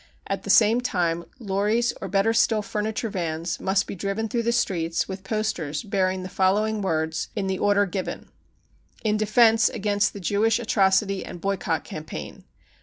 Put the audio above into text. At the same time lorries, or better still furniture vans, must be driven through the streets with posters bearing the following words in the order given :€ In defence against the Jewish atrocity and boycott campaign